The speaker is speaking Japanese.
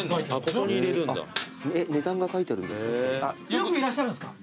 よくいらっしゃるんすか？